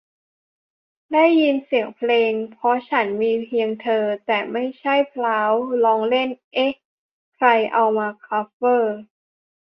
ได้ยินเสียงเพลง 'เพราะฉันมีเพียงเธอ' แต่ไม่ใช่ 'พราว' ร้องเล่น เอ๊ะ ใครเอามาคัฟเวอร์ ?